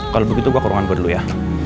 kalo begitu gue ke ruangan gue dulu ya